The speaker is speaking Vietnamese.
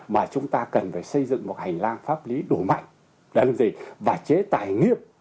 mà chúng ta cần phải xây dựng một hành lang pháp lý đủ mạnh và chế tài nghiệp